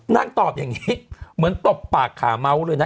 นางตอบอย่างนี้เหมือนตบปากขาเมาส์เลยนะ